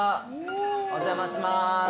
お邪魔します。